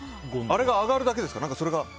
あれが上がるだけですか。